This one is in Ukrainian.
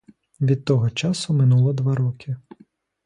Від того часу минуло два роки.